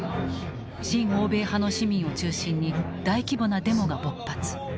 親欧米派の市民を中心に大規模なデモが勃発。